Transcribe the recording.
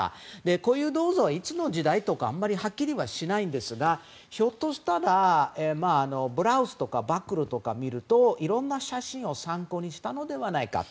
こういう銅像は、いつの時代とかあまりはっきりしないんですがひょっとしたらブラウスとかバックルを見るといろんな写真を参考にしたのではないかと。